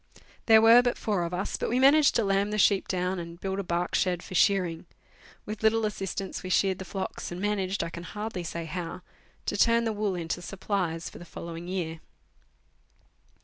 There were but four of us, but we managed to lamb the sheep down and to build a bark shed for shearing. With little assistance, we sheared the flocks, and managed, I can hardly say how, to turn the wool into supplies for the following year.